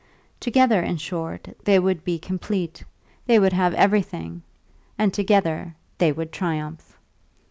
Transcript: Together, in short, they would be complete, they would have everything, and together they would triumph.